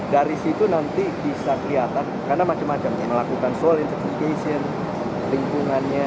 dari situ nanti bisa kelihatan karena macam macam ya melakukan soul interpretation lingkungannya